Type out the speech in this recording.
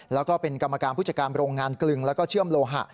แล้วก็เป็นกรรมการผู้จัดการโรงงานกลึงแล้วก็เชื่อมโลหะ